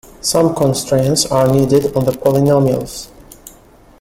Some constraints are needed on the polynomials.